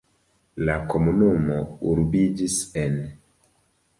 La komunumo urbiĝis en.